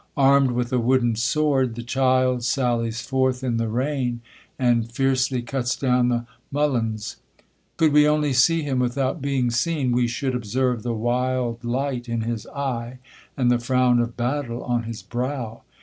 Armed with a wooden sword, the child sallies forth in the rain, and fiercely cuts down the mulleins; could we only see him without being seen, we should observe the wild light in his eye, and the frown of battle on his brow.